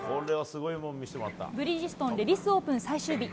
ブリヂストンレディスオープン最終日。